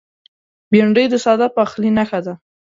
بېنډۍ د ساده پخلي نښه ده